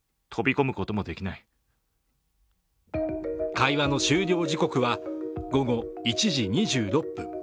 会話の終了時刻は午後１時２６分。